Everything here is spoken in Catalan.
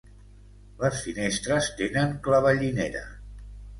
Les finestres tenen clavellinera.